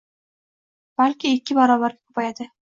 balki ikki barobariga ko‘payadi